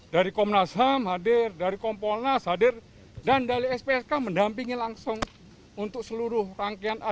dari komnas ham hadir dari kompolnas hadir dan dari spsk mendampingi langsung untuk seluruh rangkaian acara